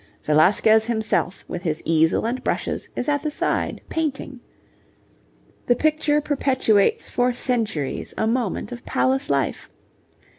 Velasquez himself, with his easel and brushes, is at the side, painting. The picture perpetuates for centuries a moment of palace life.